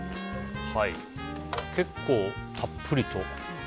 結構、たっぷりと。